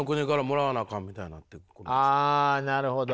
あなるほど。